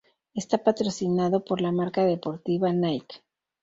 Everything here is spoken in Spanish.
Está patrocinado por la marca deportiva Nike.